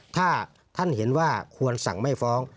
ถ้าท่านเห็นว่าควรสั่งไม่ฟ้อง